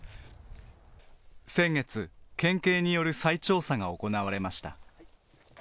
先月、県警による再調査が行われました。